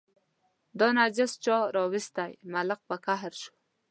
دا نجس چا راوستی، ملک په قهر شو.